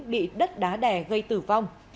bị đất đá đẻ gây tử vong